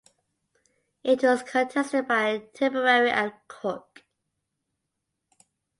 It was contested by Tipperary and Cork.